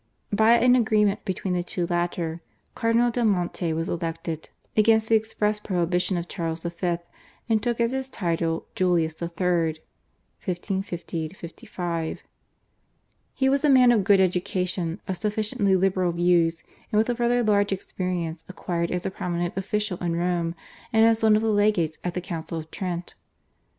By an agreement between the two latter Cardinal del Monte was elected against the express prohibition of Charles V., and took as his title Julius III. (1550 5). He was a man of good education, of sufficiently liberal views, and with a rather large experience acquired as a prominent official in Rome and as one of the legates at the Council of Trent.